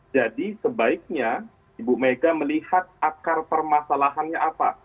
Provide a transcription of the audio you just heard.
jadi sebaiknya ibu mega melihat akar permasalahannya apa